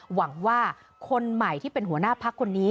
หวังว่าคนใหม่ที่เป็นหัวหน้าพักคนนี้